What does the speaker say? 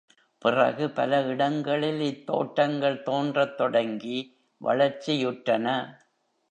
பிறகு பல இடங்களில் இத் தோட்டங்கள் தோன்றத் தொடங்கி வளர்ச்சியுற்றன.